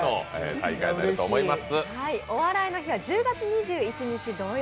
大会になると思います。